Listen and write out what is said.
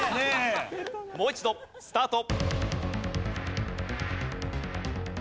もう一度スタート。